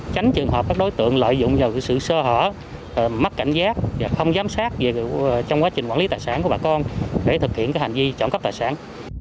tránh trường hợp các đối tượng lợi dụng vào sự sơ hở mất cảnh giác và không giám sát trong quá trình quản lý tài sản của bà con để thực hiện hành vi trộm cắp tài sản